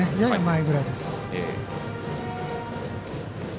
やや前ぐらいです。